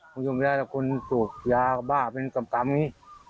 ผมอยู่ไม่ได้แล้วคุณสูบยากลับบ้านเป็นกำกำอย่างนี้